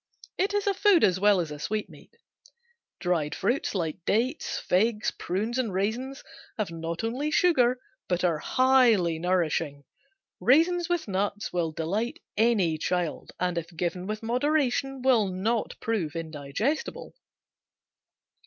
It is a food as well as a sweetmeat. Dried fruits like dates, figs, prunes and raisins have not only sugar but are highly nourishing. Raisins with nuts will delight any child and if given with moderation will not prove indigestible.